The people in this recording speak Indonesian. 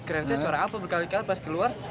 keren saya suara apa berkali kali pas keluar